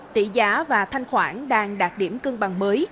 tỷ giá và thanh khoản đang đạt điểm cân bằng mới